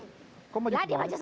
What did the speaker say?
di tomato semuanya